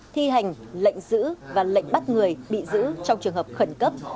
thi hành lệnh giữ và lệnh bắt người bị giữ trong trường hợp khẩn cấp